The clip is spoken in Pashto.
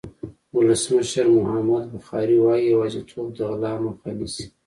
ولسمشر محمد بخاري وایي یوازېتوب د غلا مخه نیسي.